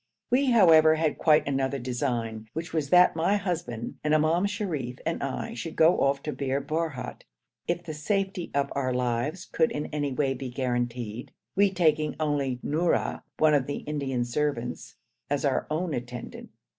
We, however, had quite another design, which was that my husband and Imam Sharif and I should go off to Bir Borhut, if the safety of our lives could in any way be guaranteed, we taking only Noura, one of the Indian servants, as our own attendant.